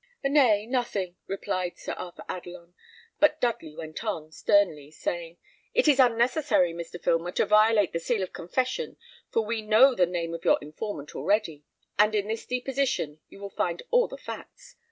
"Nay, nothing," replied Sir Arthur Adelon; but Dudley went on, sternly saying, "It is unnecessary, Mr. Filmer, to violate the seal of confession, for we know the name of your informant already, and in this deposition you will find all the facts.